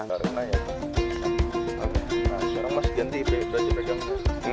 nah sekarang masih ganti beda dipegang